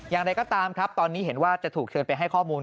อย่างไรก็ตามครับตอนนี้เห็นว่าจะถูกเชิญไปให้ข้อมูล